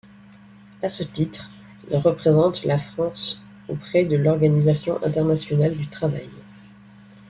À ce titre, il représente la France auprès de l'Organisation internationale du travail.